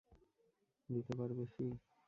দিতে পারবে ফি?